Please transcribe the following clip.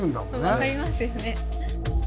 分かりますよね。